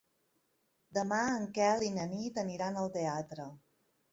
Demà en Quel i na Nit aniran al teatre.